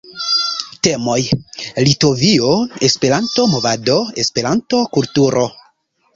Temoj: Litovio, Esperanto-movado, Esperanto-kulturo.